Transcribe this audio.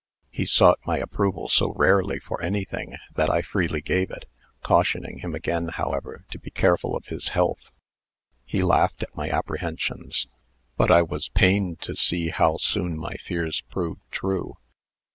He sought my approval so rarely for anything, that I freely gave it, cautioning him again, however, to be careful of his health. He laughed at my apprehensions. But I was pained to see how soon my fears proved true.